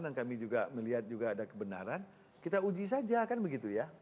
dan kami juga melihat juga ada kebenaran kita uji saja kan begitu ya